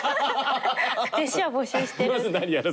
弟子は募集してる。